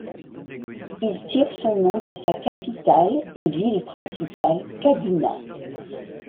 Il tire son nom de sa capitale et ville principale Kaduna.